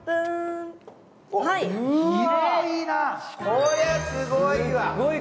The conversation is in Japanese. こりゃすごいわ。